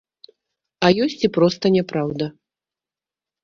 А ёсць і проста няпраўда.